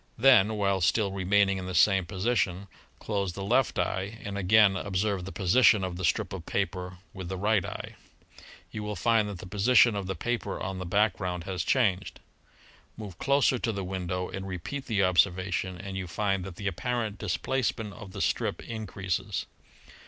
Then, while still remaining in the same position, close the left eye and again observe the position of the strip of paper with the right eye. You will find that the position of the paper on the background has changed. "Move closer to the window and repeat the observation, and you find that the apparent displacement of the strip increases.